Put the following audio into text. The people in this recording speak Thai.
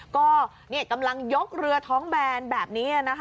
กำลังยกเรือท้องแบนแบบนี้